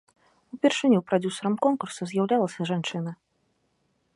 Упершыню прадзюсарам конкурсу з'яўлялася жанчына.